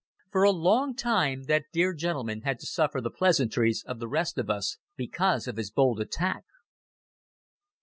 For a long time that dear gentleman had to suffer the pleasantries of the rest of us because of his bold attack.